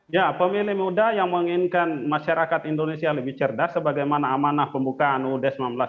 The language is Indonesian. ya pemilih muda yang menginginkan masyarakat indonesia lebih cerdas sebagaimana amanah pembukaan ud seribu sembilan ratus empat puluh